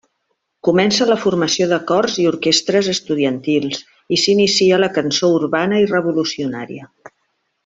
Comença la formació de cors i orquestres estudiantils, i s'inicia la cançó urbana i revolucionària.